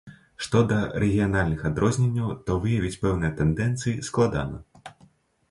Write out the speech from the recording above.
Што да рэгіянальных адрозненняў, то выявіць пэўныя тэндэнцыі складана.